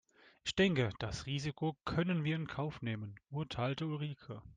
Ich denke das Risiko können wir in Kauf nehmen, urteilte Ulrike.